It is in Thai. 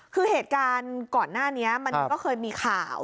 คือเหตุการณ์ก่อนหน้านี้มันก็เคยมีข่าว